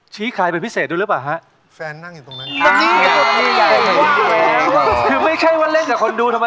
ชี้คลายเป็นพิเศษดูแล้วหรือเปล่าฮะแฟนนั่งอยู่ตรงนั้นคือไม่ใช่ว่าเล่นกับคนดูธรรมดา